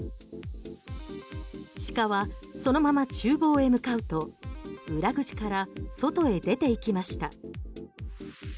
鹿はそのまま厨房へ向かうと裏口から外へ出ていきました。